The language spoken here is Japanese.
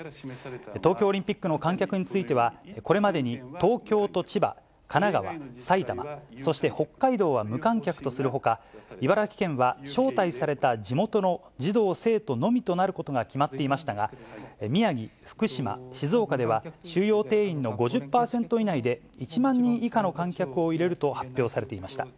東京オリンピックの観客については、これまでに東京と千葉、神奈川、埼玉、そして北海道は無観客とするほか、茨城県は、招待された地元の児童・生徒のみとなることが決まっていましたが、宮城、福島、静岡では、収容定員の５０％以内で、１万人以下の観客を入れると発表されていました。